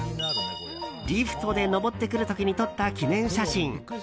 リフトで登ってくる時に撮った記念写真。